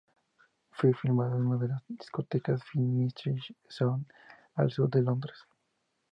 Fue filmado en una de las discotecas Ministry Of Sound al sur de Londres.